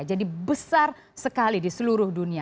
jadi besar sekali di seluruh dunia